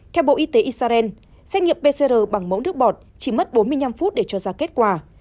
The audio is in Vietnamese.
theo bộ y tế israel xét nghiệm pcr bằng mẫu nước bọt chỉ mất bốn mươi năm phút để cho ra kết quả